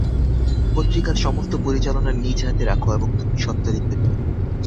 পত্রিকার সমস্ত পরিচালনা নিজ হাতে রাখ এবং তুমিই স্বত্বাধিকারী থাক।